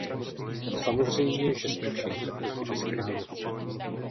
Samozřejmě, že jsme všichni proti diskriminaci.